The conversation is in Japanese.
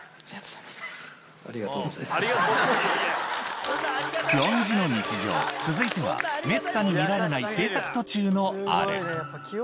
久遠寺の日常、続いては、めったに見られない制作途中のあれ。